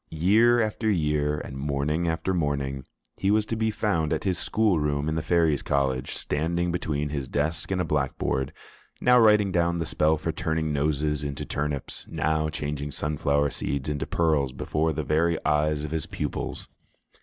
Year after year, and morning after morning, he was to be found at his school room in the Fairies' College, standing between his desk and a blackboard, now writing down the spell for turning noses into turnips, now changing sunflower seeds into pearls before the very eyes of his pupils.